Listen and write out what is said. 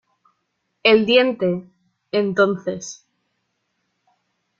el diente. entonces